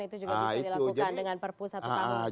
itu juga bisa dilakukan dengan perpu satu tahun